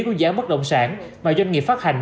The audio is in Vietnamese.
của giá mất đồng sản mà doanh nghiệp phát hành